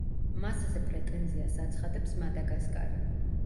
მასზე პრეტენზიას აცხადებს მადაგასკარი.